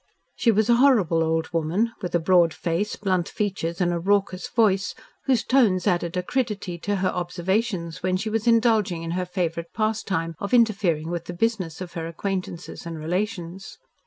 She was a horrible old woman with a broad face, blunt features and a raucous voice, whose tones added acridity to her observations when she was indulging in her favourite pastime of interfering with the business of her acquaintances and relations.